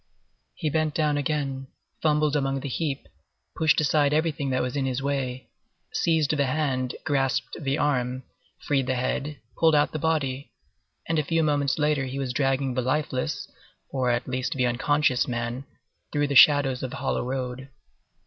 He bent down again, fumbled among the heap, pushed aside everything that was in his way, seized the hand, grasped the arm, freed the head, pulled out the body, and a few moments later he was dragging the lifeless, or at least the unconscious, man, through the shadows of hollow road.